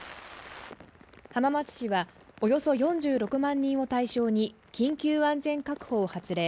浜松市はおよそ４６万人を対象に緊急安全確保を発令。